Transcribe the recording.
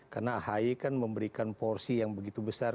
karena ahi kan memberikan porsi yang begitu besar